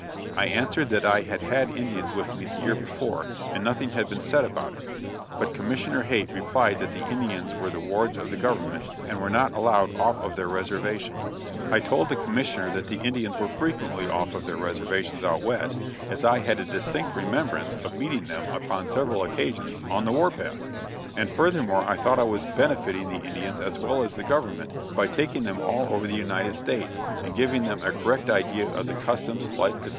I answered that I had had Indians with me the year before and nothing had been said about it; but Commissioner Haight replied that the Indians were the "wards of the government," and were not allowed off of their reservation. I told the Commissioner that the Indians were frequently off of their reservations out west, as I had a distinct remembrance of meeting them upon several occasions "on the war path," and furthermore I thought I was benefitting the Indians as well as the government, by taking them all over the United States, and giving them a correct idea of the customs, life, etc.